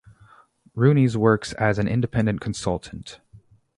Rooney's works as an Independent Consultant.